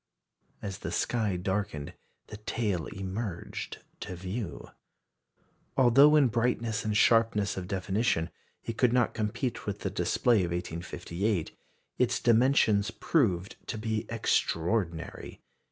As the sky darkened the tail emerged to view. Although in brightness and sharpness of definition it could not compete with the display of 1858, its dimensions proved to be extraordinary.